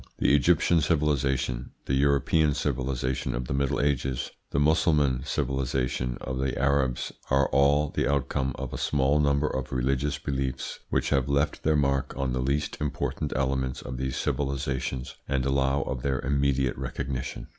The Egyptian civilisation, the European civilisation of the Middle Ages, the Mussulman civilisation of the Arabs are all the outcome of a small number of religious beliefs which have left their mark on the least important elements of these civilisations and allow of their immediate recognition.